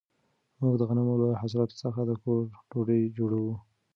موږ د غنمو له حاصلاتو څخه د کور ډوډۍ جوړوو.